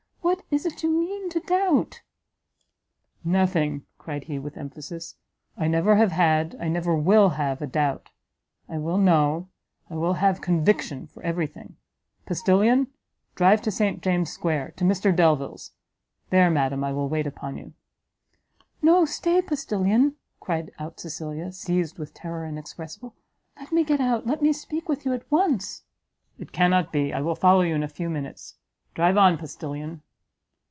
what is it you mean to doubt?" "Nothing!" cried he, with emphasis, "I never have had, I never will have a doubt! I will know, I will have conviction for every thing! Postilion, drive to St James's square! to Mr Delvile's. There, madam, I will wait upon you." "No! stay, postilion!" called out Cecilia, seized with terror inexpressible; "let me get out, let me speak with you at once!" "It cannot be; I will follow you in a few minutes drive on, postilion!"